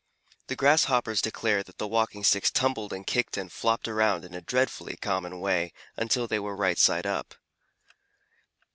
The Grasshoppers declare that the Walking Sticks tumbled and kicked and flopped around in a dreadfully common way until they were right side up.